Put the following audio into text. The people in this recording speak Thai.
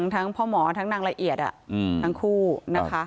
ทั้งพ่อหมอทั้งนางละเอียดทั้งคู่นะคะ